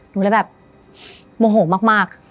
ดูแล้วแบบโมโหมาก